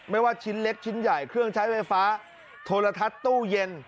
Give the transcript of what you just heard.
ว่าชิ้นเล็กชิ้นใหญ่เครื่องใช้ไฟฟ้าโทรทัศน์ตู้เย็น